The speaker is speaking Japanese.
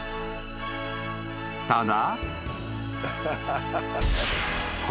［ただ］